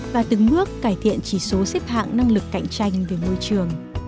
và từng bước cải thiện chỉ số xếp hạng năng lực cạnh tranh về môi trường